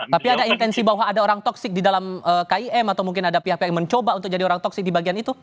tapi ada intensi bahwa ada orang toksik di dalam kim atau mungkin ada pihak pihak yang mencoba untuk jadi orang toksik di bagian itu